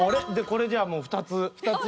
これじゃあもう２つ。